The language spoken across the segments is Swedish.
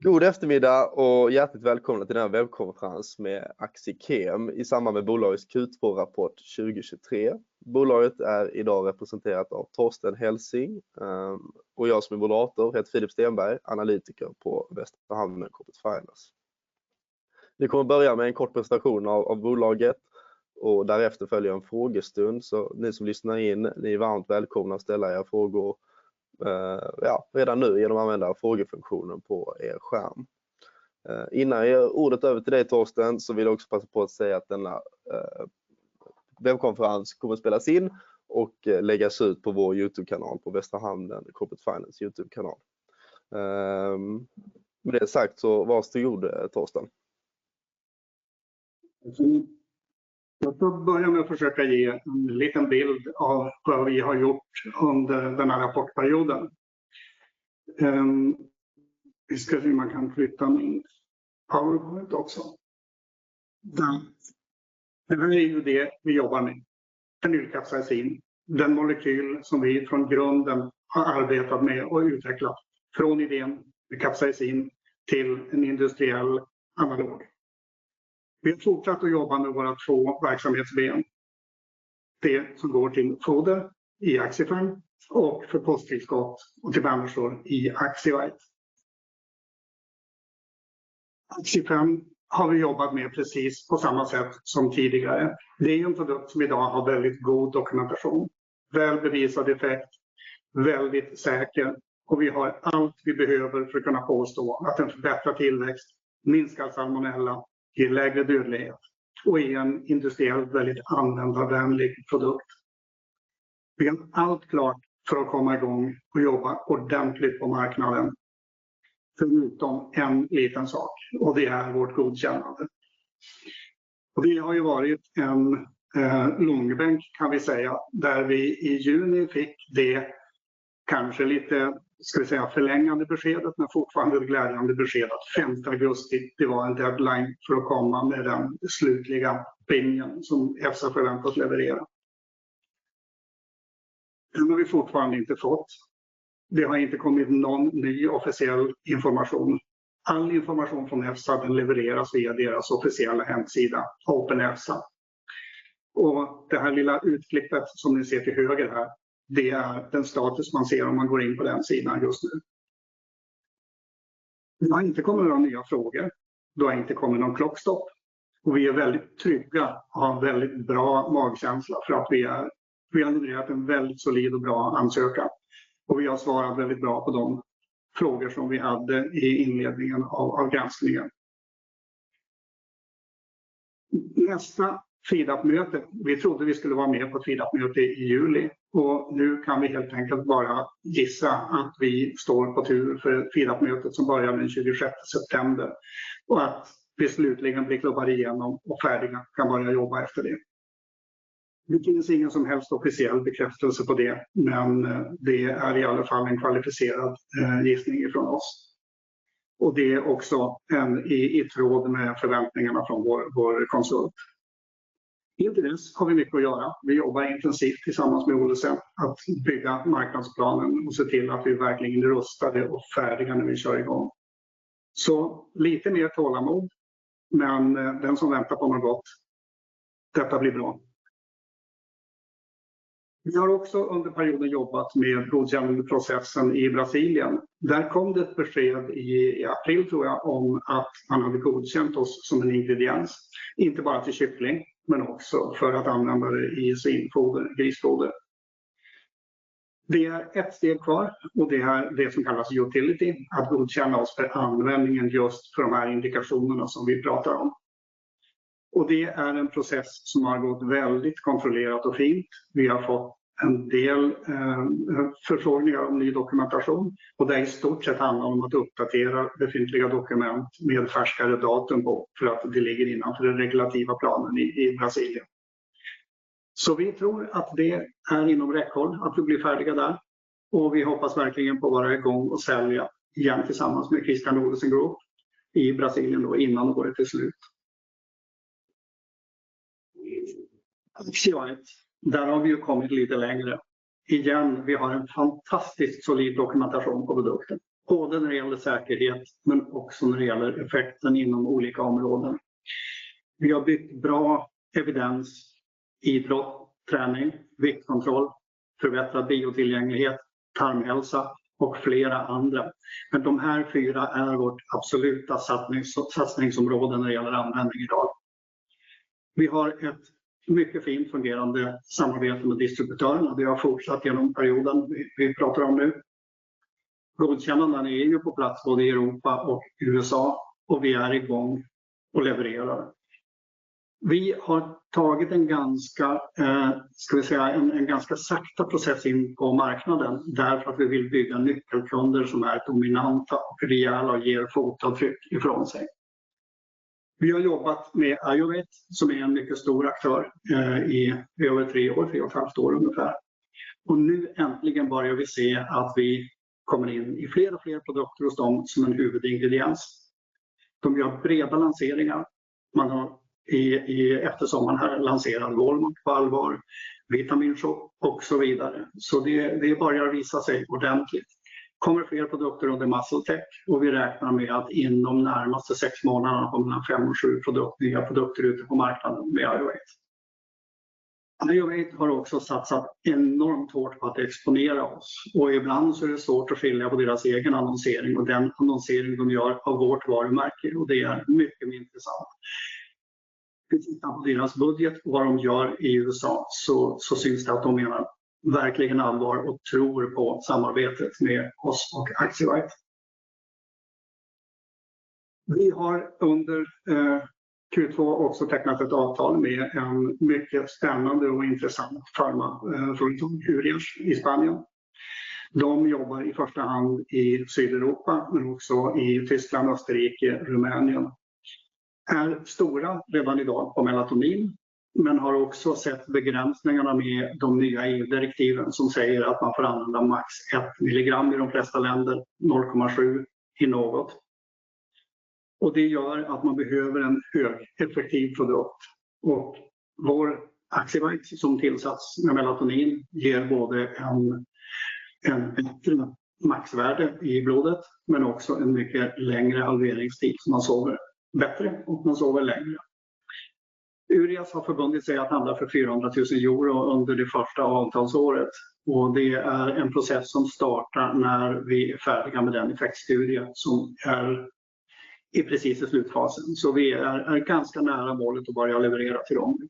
God eftermiddag och hjärtligt välkomna till den här webbkonferens med Axichem i samband med bolagets Q2-rapport 2023. Bolaget är i dag representerat av Torsten Helsing, och jag som är moderator heter Filip Stenberg, analytiker på Västra Hamnen Corporate Finance. Vi kommer att börja med en kort presentation av bolaget och därefter följer en frågestund. Ni som lyssnar in är varmt välkomna att ställa era frågor redan nu genom att använda frågefunktionen på er skärm. Innan jag ger ordet över till dig Torsten, så vill jag också passa på att säga att denna webbkonferens kommer spelas in och läggas ut på Västra Hamnen Corporate Finance YouTube. Med det sagt, varsågod Torsten. Jag ska börja med att försöka ge en liten bild av vad vi har gjort under den här rapportperioden. Vi ska se om man kan flytta min PowerPoint också. Det här är ju det vi jobbar med, en ny kapsaicin, den molekyl som vi från grunden har arbetat med och utvecklat från idén med kapsaicin till en industriell analog. Vi har fortsatt att jobba med våra två verksamhetsben. Det som går till foder i Axiprem och för påsktypskott och till bandager i Axiwite. Axiprem har vi jobbat med precis på samma sätt som tidigare. Det är en produkt som i dag har väldigt god dokumentation, väl bevisad effekt, väldigt säker och vi har allt vi behöver för att kunna påstå att den förbättrar tillväxt, minskar salmonella, ger lägre dödlighet och är en industriellt väldigt användarvänlig produkt. Vi har allt klart för att komma i gång och jobba ordentligt på marknaden, förutom en liten sak, och det är vårt godkännande. Det har ju varit en långbänk, kan vi säga, där vi i juni fick det kanske lite förlängande beskedet, men fortfarande det glädjande beskedet att den femte augusti var en deadline för att komma med den slutliga bingen som EFSA förväntat leverera. Den har vi fortfarande inte fått. Det har inte kommit någon ny officiell information. All information från EFSA levereras via deras officiella hemsida, Open EFSA. Det här lilla utklippet som ni ser till höger här, det är den status man ser om man går in på den sidan just nu. Det har inte kommit några nya frågor. Det har inte kommit någon klockstopp och vi är väldigt trygga och har en väldigt bra magkänsla för att vi har levererat en väldigt solid och bra ansökan och vi har svarat väldigt bra på de frågor som vi hade i inledningen av granskningen. Nästa FEEDAP-möte, vi trodde vi skulle vara med på FEEDAP-mötet i juli och nu kan vi helt enkelt bara gissa att vi står på tur för FEEDAP-mötet som börjar den 26 september och att vi slutligen blir klubbade igenom och färdiga kan börja jobba efter det. Nu finns det ingen som helst officiell bekräftelse på det, men det är i alla fall en kvalificerad gissning ifrån oss. Det är också i tråd med förväntningarna från vår konsult. Inte minst har vi mycket att göra. Vi jobbar intensivt tillsammans med Olsson att bygga marknadsplanen och se till att vi verkligen är rustade och färdiga när vi kör igång. Lite mer tålamod, men den som väntar på något gott... Detta blir bra. Vi har också under perioden jobbat med godkännandeprocessen i Brasilien. Där kom det ett besked i april, tror jag, om att man hade godkänt oss som en ingrediens, inte bara till kyckling, men också för att använda det i sin foder, grisgöder. Det är ett steg kvar och det är det som kallas utility, att godkänna oss för användningen just för de här indikationerna som vi pratar om. Det är en process som har gått väldigt kontrollerat och fint. Vi har fått en del förfrågningar om ny dokumentation och det har i stort sett handlat om att uppdatera befintliga dokument med färskare datum på, för att det ligger innanför den regulativa planen i Brasilien. Vi tror att det är inom räckhåll, att vi blir färdiga där, och vi hoppas verkligen på att vara i gång och sälja igen tillsammans med Chr. Olesen Group i Brasilien innan året är slut. Axiwite, där har vi ju kommit lite längre. Igen, vi har en fantastiskt solid dokumentation på produkten, både när det gäller säkerhet, men också när det gäller effekten inom olika områden. Vi har byggt bra evidens, idrott, träning, viktkontroll, förbättrad biotillgänglighet, tarmhälsa och flera andra. Men de här fyra är vårt absoluta satsningsområde när det gäller användning i dag. Vi har ett mycket fint fungerande samarbete med distributörerna. Vi har fortsatt genom perioden vi pratar om nu. Godkännandena är på plats både i Europa och USA och vi är igång och levererar. Vi har tagit en ganska sakta process in på marknaden, därför att vi vill bygga nyckelkunder som är dominanta och rejäla och ger fotavtryck ifrån sig. Vi har jobbat med Ayurveda, som är en mycket stor aktör, i över tre år, tre och ett halvt år ungefär. Nu börjar vi äntligen se att vi kommer in i fler och fler produkter hos dem som en huvudingrediens. De gör breda lanseringar. Man har i eftersommaren här lanserat Walmart på allvar, vitaminshopar och så vidare. Det börjar visa sig ordentligt. Det kommer fler produkter under Masotec och vi räknar med att inom närmaste sex månaderna kommer fem till sju nya produkter ut på marknaden med iOAT. iOAT har också satsat enormt hårt på att exponera oss och ibland är det svårt att skilja på deras egen annonsering och den annonsering de gör av vårt varumärke, och det är mycket intressant. Vi tittar på deras budget och vad de gör i USA, så syns det att de menar verkligen allvar och tror på samarbetet med oss och aXivite. Vi har under Q2 också tecknat ett avtal med en mycket spännande och intressant firma från Urias i Spanien. De jobbar i första hand i Sydeuropa, men också i Tyskland, Österrike och Rumänien. De är stora redan i dag på melatonin, men har också sett begränsningarna med de nya EU-direktiven som säger att man får använda max ett milligram i de flesta länder, 0,7 i något. Det gör att man behöver en högeffektiv produkt och vår aXivite som tillsats med melatonin ger både en bättre maxvärde i blodet, men också en mycket längre halveringstid. Man sover bättre och man sover längre. Urias har förbundit sig att handla för €400 000 under det första avtalsåret och det är en process som startar när vi är färdiga med den effektstudie som är i precis i slutfasen. Vi är ganska nära målet att börja leverera till dem.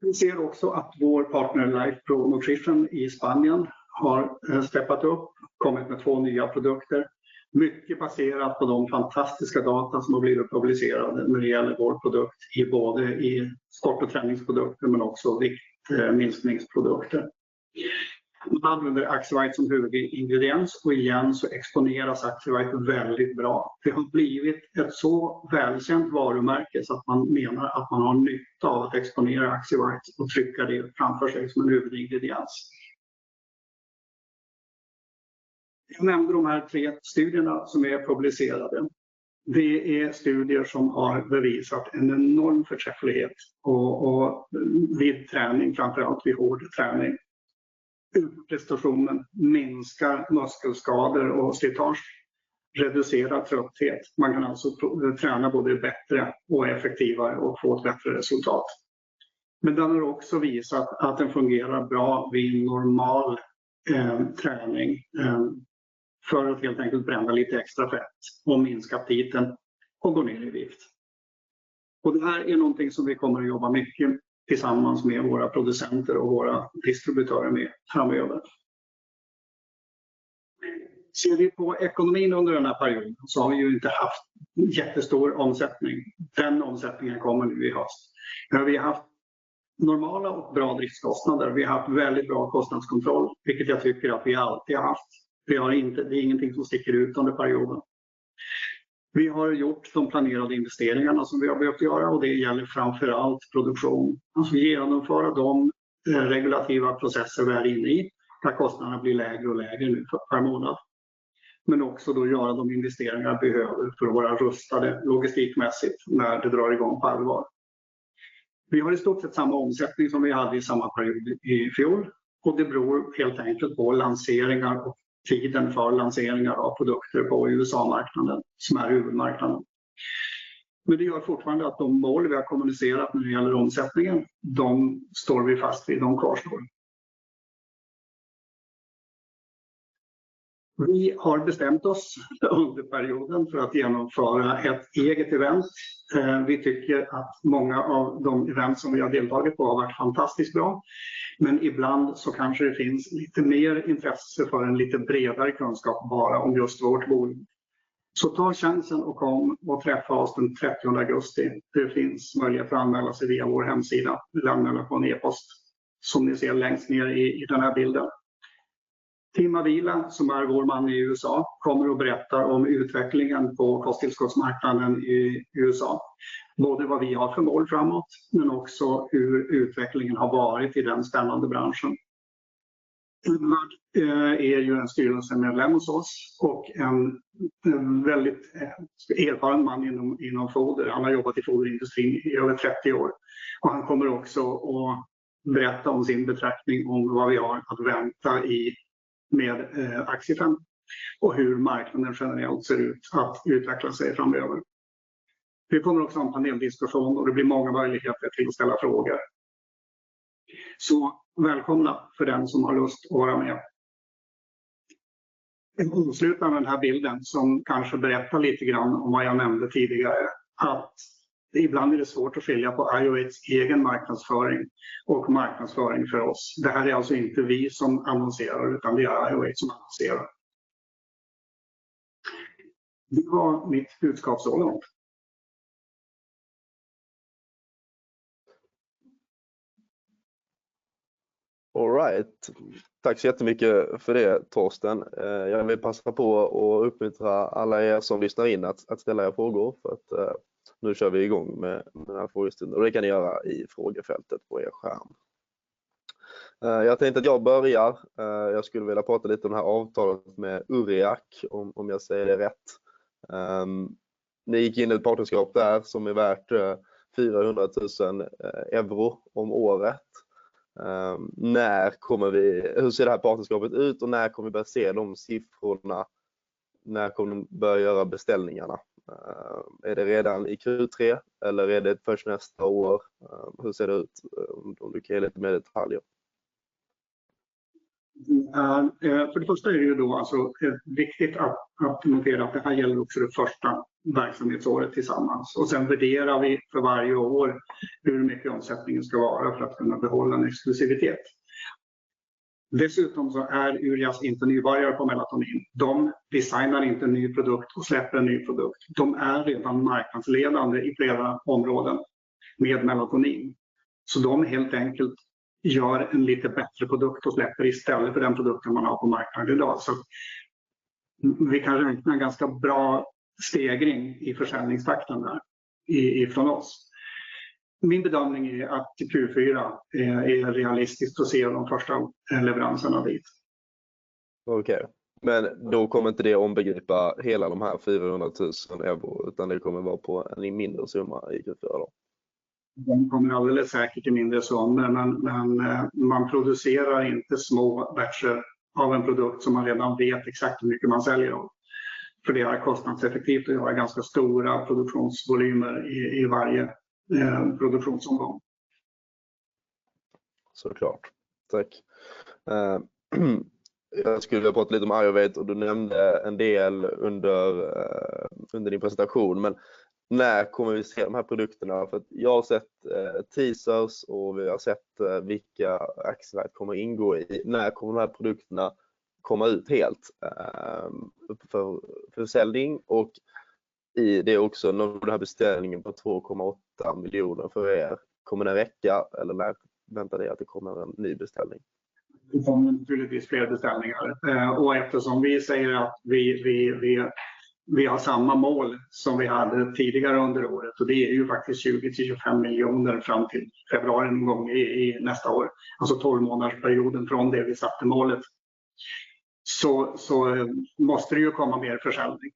Vi ser också att vår partner, Life Pro Nutrition i Spanien, har steppat upp, kommit med två nya produkter. Mycket baserat på de fantastiska data som har blivit publicerade när det gäller vår produkt i både start- och träningsprodukter, men också viktminskningsprodukter. Man använder aXivite som huvudingrediens och igen så exponeras aXivite väldigt bra. Det har blivit ett så välkänt varumärke så att man menar att man har nytta av att exponera aXivite och trycka det framför sig som en huvudingrediens. Jag nämner de här tre studierna som är publicerade. Det är studier som har bevisat en enorm förträfflighet vid träning, framför allt vid hård träning. Upprestationen minskar muskelskador och slitage, reducerar trötthet. Man kan alltså träna både bättre och effektivare och få ett bättre resultat. Men den har också visat att den fungerar bra vid normal träning, för att helt enkelt bränna lite extra fett och minska aptiten och gå ner i vikt. Det här är någonting som vi kommer att jobba mycket tillsammans med våra producenter och våra distributörer med framöver. Ser vi på ekonomin under den här perioden så har vi ju inte haft jättestor omsättning. Den omsättningen kommer nu i höst. Men vi har haft normala och bra driftskostnader. Vi har haft väldigt bra kostnadskontroll, vilket jag tycker att vi alltid haft. Det är ingenting som sticker ut under perioden. Vi har gjort de planerade investeringarna som vi har behövt göra och det gäller framför allt produktion. Att genomföra de regulativa processer vi är inne i, där kostnaderna blir lägre och lägre nu per månad, men också då göra de investeringar vi behöver för att vara rustade logistikmässigt när det drar i gång på allvar. Vi har i stort sett samma omsättning som vi hade i samma period i fjol och det beror helt enkelt på lanseringar och tidpunkten för lanseringar av produkter på USA-marknaden, som är huvudmarknaden. Men det gör fortfarande att de mål vi har kommunicerat när det gäller omsättningen, de står vi fast vid, de kvarstår. Vi har bestämt oss under perioden för att genomföra ett eget event. Vi tycker att många av de event som vi har deltagit på har varit fantastiskt bra, men ibland så kanske det finns lite mer intresse för en lite bredare kunskap, bara om just vårt bolag. Så ta chansen och kom och träffa oss den 30 augusti. Det finns möjlighet att anmäla sig via vår hemsida. Du lämnar det på en e-post som ni ser längst ner i den här bilden. Tim Avila, som är vår man i U.S.A., kommer att berätta om utvecklingen på kosttillskottsmarknaden i U.S.A. Både vad vi har för mål framåt, men också hur utvecklingen har varit i den spännande branschen. Tim är en styrelsemedlem hos oss och en väldigt erfaren man inom foder. Han har jobbat i foderindustrin i över trettio år och han kommer också att berätta om sin uppfattning om vad vi har att vänta med Axivita och hur marknaden generellt ser ut att utveckla sig framöver. Vi kommer också att ha en paneldiskussion och det blir många möjligheter till att ställa frågor. Välkomna för den som har lust att vara med! Jag avslutar med den här bilden som kanske berättar lite grann om vad jag nämnde tidigare, att ibland är det svårt att skilja på iOATs egen marknadsföring och marknadsföring för oss. Det här är alltså inte vi som annonserar, utan det är iOAT som annonserar. Det var mitt budskap så långt. Tack så jättemycket för det, Torsten. Jag vill passa på att uppmuntra alla er som lyssnar in att ställa era frågor, för att nu kör vi igång med den här frågestunden, och det kan ni göra i frågefältet på er skärm. Jag tänkte att jag börjar. Jag skulle vilja prata lite om det här avtalet med Uriach, om jag säger det rätt. Ni gick in i ett partnerskap där som är värt €400,000 om året. När kommer vi -- hur ser det här partnerskapet ut och när kommer vi börja se de siffrorna? När kommer de börja göra beställningarna? Är det redan i Q3 eller är det först nästa år? Hur ser det ut? Om du kan ge lite mer detaljer. Det är viktigt att notera att det här gäller också det första verksamhetsåret tillsammans. Vi värderar för varje år hur mycket omsättningen ska vara för att kunna behålla en exklusivitet. Dessutom är Uriach inte nybörjare på melatonin. De designar inte en ny produkt och släpper en ny produkt. De är redan marknadsledande i flera områden med melatonin, så de gör helt enkelt en lite bättre produkt och släpper den istället för den produkten man har på marknaden i dag. Vi räknar kanske med en ganska bra stegring i försäljningstakten där, ifrån oss. Min bedömning är att i Q4 är det realistiskt att se de första leveranserna dit. Okej, men då kommer inte det omfatta hela de här €400 000, utan det kommer vara på en mindre summa i Q4 då? Det kommer alldeles säkert en mindre summa, men man producerar inte små batcher av en produkt som man redan vet exakt hur mycket man säljer av. Det är kostnadseffektivt att göra ganska stora produktionsvolymer i varje produktionsomgång. Tack! Jag skulle vilja prata lite om Ayurveda, och du nämnde en del under din presentation, men när kommer vi se de här produkterna? Jag har sett teasers och vi har sett vilka extrakt kommer att ingå i dem. När kommer de här produkterna komma ut för försäljning? Och i det också, den här beställningen på 2,8 miljoner för er — kommer den väckas, eller när väntar ni att det kommer en ny beställning? Det kommer naturligtvis fler beställningar. Eftersom vi har samma mål som vi hade tidigare under året, och det är faktiskt SEK 20-25 miljoner fram till februari någon gång nästa år, alltså tolvmånadersperioden från det vi satte målet, så måste det komma mer försäljning.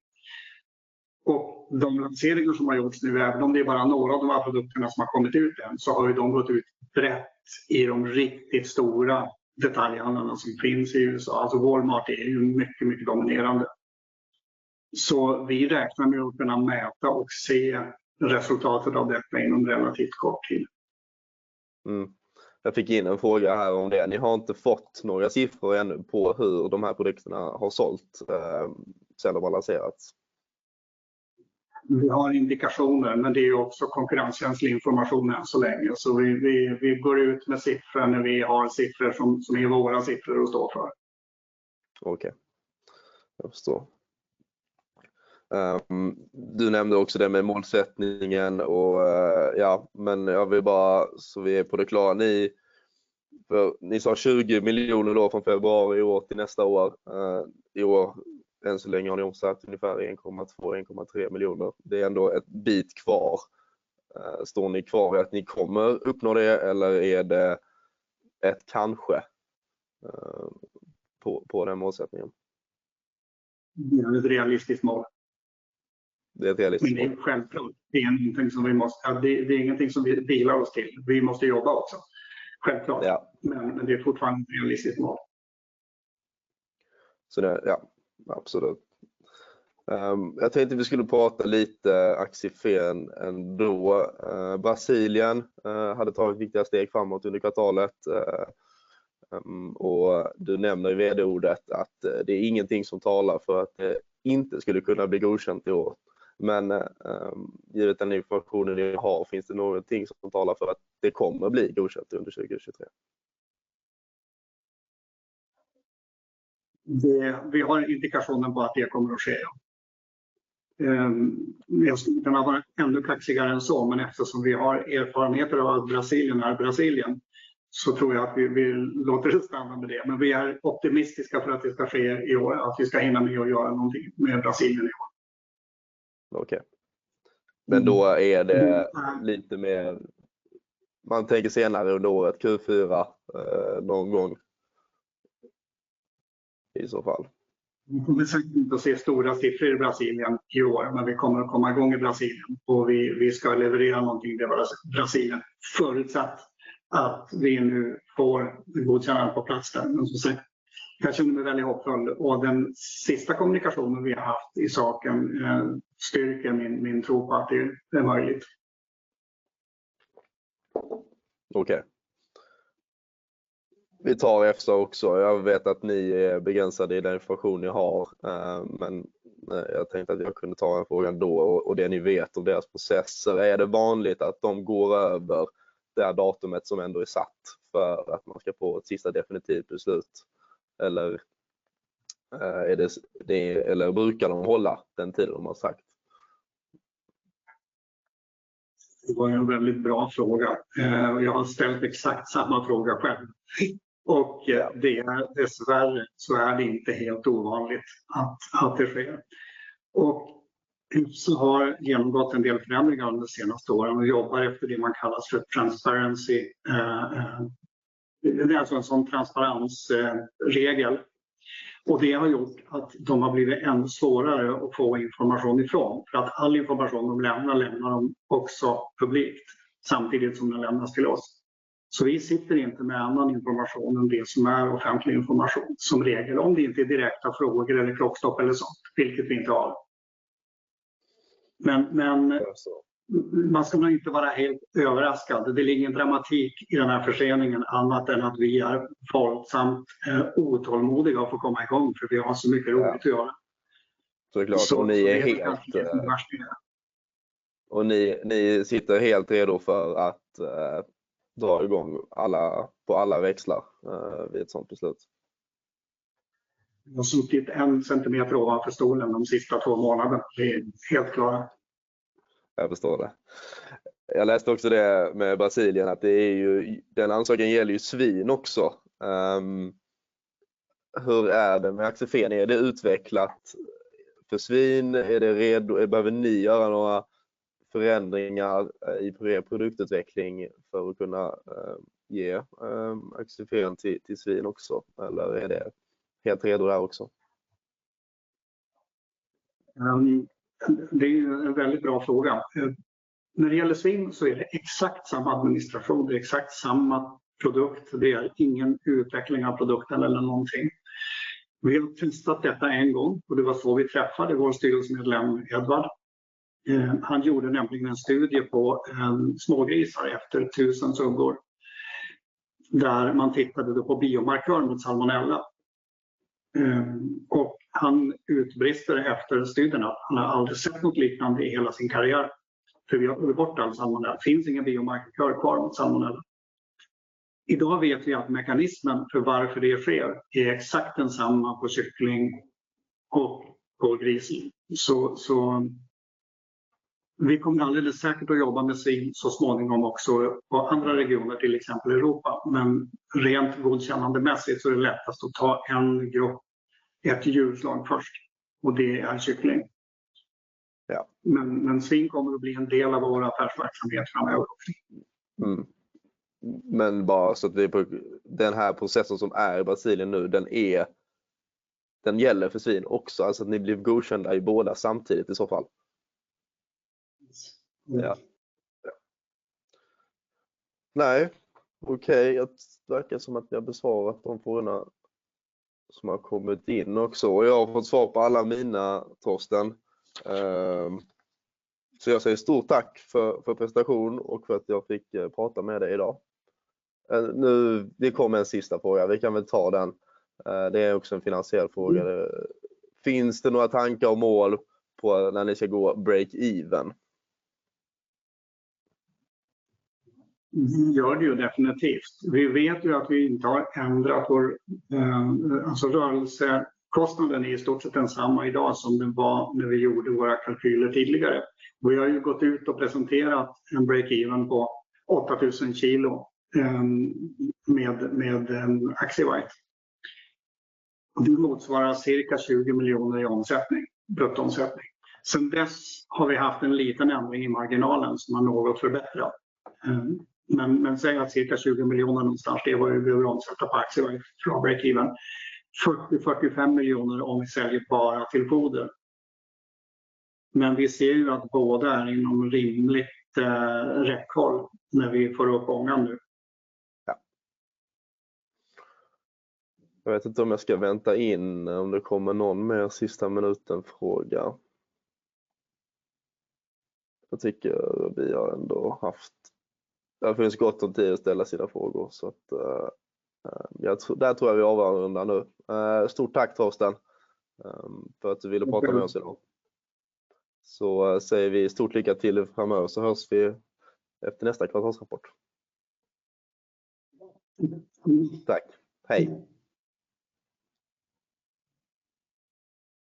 De lanseringar som har gjorts nu, även om det är bara några av de här produkterna som har kommit ut än, har gått ut brett i de riktigt stora detaljhandlarna som finns i U.S.A. Walmart är mycket dominerande. Vi räknar med att kunna mäta och se resultatet av detta inom relativt kort tid. Ni har inte fått några siffror ännu på hur de här produkterna har sålt sedan de har lanserats? Vi har indikationer, men det är också konkurrenskänslig information än så länge. Vi går ut med siffror när vi har siffror som är våra siffror att stå för. Du nämnde också det med målsättningen. Ni sa 20 miljoner från februari i år till nästa år. I år, än så länge, har ni omsatt ungefär 1,2, 1,3 miljoner. Det är ändå ett bit kvar. Står ni kvar i att ni kommer uppnå det? Eller är det ett kanske på den målsättningen? Det är ett realistiskt mål. Det är ett realistiskt mål. Men självklart, det är ingenting som vi måste... det är ingenting som vi vilar oss till. Vi måste jobba också. Självklart. Ja. Men det är fortfarande ett realistiskt mål. Absolut. Jag tänkte vi skulle prata lite om Axiphen ändå. Brasilien hade tagit viktiga steg framåt under kvartalet, och du nämner i VD-ordet att det är ingenting som talar för att det inte skulle kunna bli godkänt i år. Men, givet den informationen ni har, finns det någonting som talar för att det kommer bli godkänt under 2023? Det har vi indikationer på att det kommer att ske, ja. Jag skulle kunna vara ännu klackigare än så, men eftersom vi har erfarenheter av Brasilien, så tror jag att vi låter det stanna med det. Vi är optimistiska för att det ska ske i år, att vi ska hinna med att göra någonting med Brasilien i år. Okej, men då är det lite mer... Man tänker senare under året, Q4, någon gång. I så fall. Vi kommer säkert inte att se stora siffror i Brasilien i år, men vi kommer att komma i gång i Brasilien och vi ska leverera någonting i Brasilien, förutsatt att vi nu får godkännandet på plats där, som sagt. Jag känner mig väldigt hoppfull och den sista kommunikationen vi har haft i saken styrker min tro på att det är möjligt. Vi tar EFSA också. Jag vet att ni är begränsade i den information ni har, men jag tänkte att jag kunde ta en fråga ändå. Det ni vet om deras processer, är det vanligt att de går över det här datumet som ändå är satt för att man ska få ett sista definitivt beslut? Eller brukar de hålla den tiden de har sagt? Det var en väldigt bra fråga. Jag har ställt exakt samma fråga själv och det är dessvärre inte helt ovanligt att det sker. Och har genomgått en del förändringar under de senaste åren och jobbar efter det man kallar för transparency. Det är alltså en sådan transparensregel och det har gjort att de har blivit ännu svårare att få information ifrån. All information de lämnar, lämnar de också publikt samtidigt som den lämnas till oss. Vi sitter inte med annan information än det som är offentlig information, som regel, om det inte är direkta frågor eller klockstopp eller sådant, vilket vi inte har. Man ska nog inte vara helt överraskad. Det är ingen dramatik i den här förseningen, annat än att vi är försåt otålmodiga att få komma i gång, för vi har så mycket roligt att göra. Det är klart, och ni sitter helt redo för att dra igång på alla växlar vid ett sådant beslut. Jag har suttit en centimeter ovanför stolen de sista två månaderna. Det är helt klart. Jag förstår det. Jag läste också det med Brasilien, att det är ju, den ansökan gäller ju svin också. Eh, hur är det med Axiveris? Är det utvecklat för svin? Är det redo? Behöver ni göra några förändringar i er produktutveckling för att kunna ge Axiveris till svin också? Eller är det helt redo där också? Det är en väldigt bra fråga. När det gäller svin är det exakt samma administration, det är exakt samma produkt. Det är ingen utveckling av produkten eller någonting. Vi har testat detta en gång och det var så vi träffade vår styrelsemedlem Edvard. Han gjorde nämligen en studie på smågrisar efter tusen suggor, där man tittade på biomarkören mot salmonella. Han utbrister efter studien att han aldrig har sett något liknande i hela sin karriär. Vi har gjort bort all salmonella. Det finns ingen biomarkör kvar mot salmonella. Idag vet vi att mekanismen för varför det sker är exakt densamma på kyckling och på gris. Vi kommer alldeles säkert att jobba med svin så småningom också på andra regioner, till exempel Europa. Rent godkännandemässigt är det lättast att ta en grupp, ett djurslag först, och det är kyckling. Men svin kommer att bli en del av vår affärsverksamhet framöver också. Men bara så att vi... Den här processen som är i Brasilien nu, den gäller för svin också. Alltså att ni blir godkända i båda samtidigt i så fall? Ja. Okej, det verkar som att vi har besvarat de frågorna som har kommit in också. Jag har fått svar på alla mina, Torsten. Så jag säger stort tack för presentationen och för att jag fick prata med dig i dag. Det kom en sista fråga. Vi kan väl ta den. Det är också en finansiell fråga. Finns det några tankar och mål på när ni ska gå break even? Det gör det definitivt. Vi vet att vi inte har ändrat vår rörelsekostnad, som är i stort sett densamma i dag som den var när vi gjorde våra kalkyler tidigare. Vi har gått ut och presenterat en break even på 8 000 kilo med Axivite. Det motsvarar cirka 20 miljoner i omsättning, bruttoomsättning. Sedan dess har vi haft en liten ändring i marginalen som har något förbättrat. Cirka 20 miljoner någonstans är vad vi omsätter på Axivite för break even. 40–45 miljoner om vi säljer bara till foder. Vi ser att båda är inom rimligt räckhåll när vi får upp ånga nu. Jag vet inte om jag ska vänta in om det kommer någon mer sista minuten-fråga. Jag tycker vi har ändå haft... Det finns gott om tid att ställa sina frågor, så att jag, där tror jag vi avrundar nu. Stort tack, Torsten, för att du ville prata med oss i dag. Så säger vi stort lycka till framöver så hörs vi efter nästa kvartalsrapport. Tack, hej!